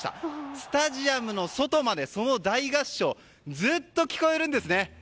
スタジアムの外まで、その大合唱ずっと聞こえるんですね。